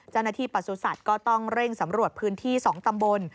จันนที่ประสูจน์สัตว์ก็ต้องเร่งสำรวจพื้นที่๒ตำบล